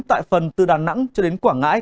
tại phần từ đà nẵng cho đến quảng ngãi